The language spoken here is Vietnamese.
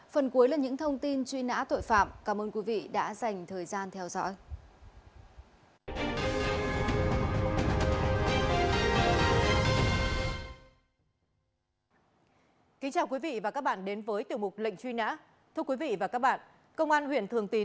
phần cuối là những thông tin truy nã tội phạm cảm ơn quý vị đã dành thời gian theo dõi